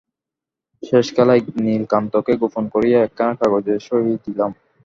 শেষকালে একদিন নীলকান্তকে গোপন করিয়া একখানা কাগজে সহি দিলাম।